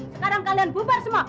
sekarang kalian bubar semua